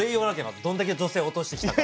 どんだけ女性を落としてきたか。